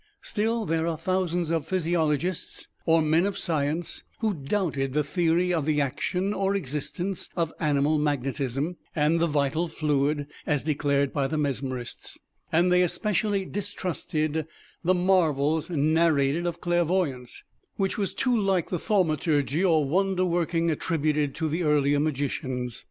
Still there were thousands of physiologists or men of science who doubted the theory of the action or existence of Animal Magnetism, and the vital fluid, as declared by the Mesmerists, and they especially distrusted the marvels narrated of clairvoyance, which was too like the thaumaturgy or wonder working attributed to the earlier magicians.